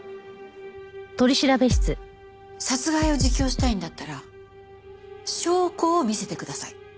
殺害を自供したいんだったら証拠を見せてください。